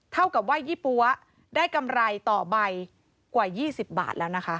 เท่ากับว่ายี่ปั๊วได้กำไรต่อใบกว่า๒๐บาทแล้วนะคะ